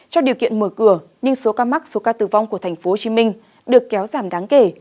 trong điều kiện mở cửa nhưng số ca mắc số ca tử vong của tp hcm được kéo giảm đáng kể